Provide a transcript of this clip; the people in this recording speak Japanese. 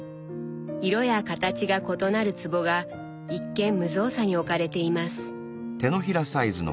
色や形が異なる壺が一見無造作に置かれています。